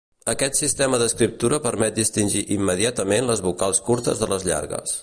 Aquest sistema d'escriptura permet distingir immediatament les vocals curtes de les llargues.